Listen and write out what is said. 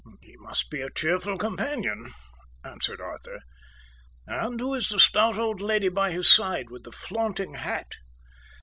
"He must be a cheerful companion," answered Arthur. "And who is the stout old lady by his side, with the flaunting hat?"